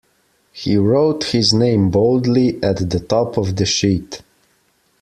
He wrote his name boldly at the top of the sheet.